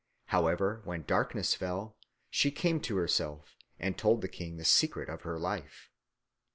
However, when darkness fell, she came to herself and told the king the secret of her life.